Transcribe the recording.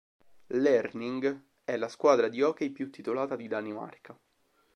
L'Herning è la squadra di hockey più titolata di Danimarca.